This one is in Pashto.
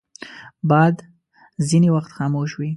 باد ځینې وخت خاموش وي